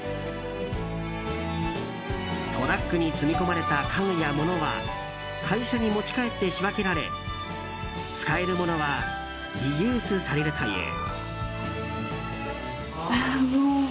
トラックに積み込まれた家具や物は会社に持ち帰って仕分けられ使える物はリユースされるという。